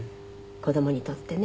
子供にとってね。